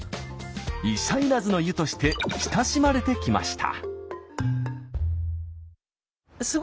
医者要らずの湯として親しまれてきました。